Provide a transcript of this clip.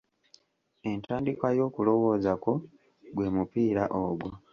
Entandikwa y'okulowooza kwo gwe mupiira ogwo.